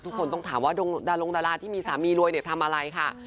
ทุกคนต้องถามว่าดลงดาราที่มีสามีรวยทำอะไรค่ะ